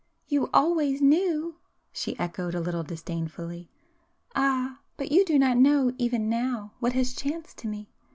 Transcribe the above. "You always knew!" she echoed a little disdainfully—"Ah, but you do not know even now what has chanced to me.